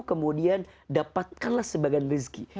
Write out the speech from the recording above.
kemudian dapatkanlah sebagian rizki